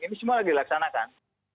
ini semua lagi dilaksanakan